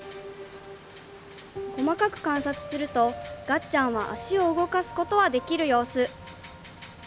細かく観察するとがっちゃんは足を動かすことはできる様子。